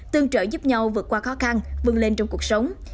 tương trợ giúp nhau vượt qua khó khăn vươn lên trong cuộc sống